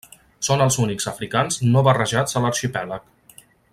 Són els únics africans no barrejats a l'arxipèlag.